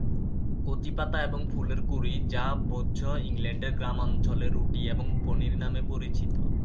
কচি পাতা এবং ফুলের কুঁড়ি, যা ভোজ্য, ইংল্যান্ডের গ্রামাঞ্চলে "রুটি এবং পনির" নামে পরিচিত।